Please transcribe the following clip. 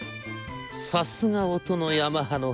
『さすが音のヤマハの半導体。